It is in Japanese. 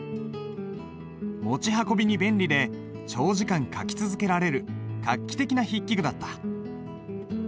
持ち運びに便利で長時間書き続けられる画期的な筆記具だった。